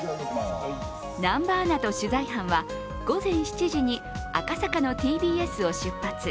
南波アナと取材班は午前７時に赤坂のＴＢＳを出発。